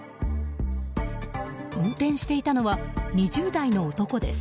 運転してたのは２０代の男です。